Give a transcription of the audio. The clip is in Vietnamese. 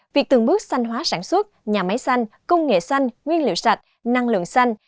việc từng bước xanh hóa sản xuất nhà máy xanh công nghệ xanh nguyên liệu sạch năng lượng xanh